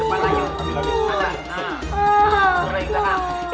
itu punya saya